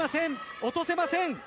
落とせません。